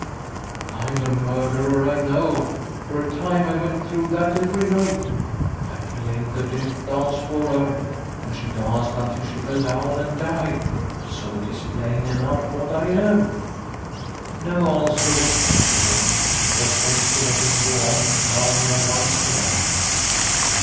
" I am a murderer, I know. For a time I went through that every night ; I played the death dance for her, and she danced until she fell down and died. So it is plain enough what I am." No answer was possible. It was best to let him go on, now he had once begun.